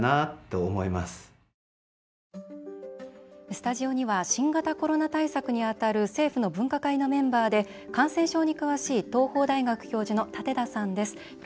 スタジオには新型コロナ対策に当たる政府の分科会のメンバーで感染症に詳しい東邦大学教授の舘田さんです。